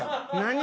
何？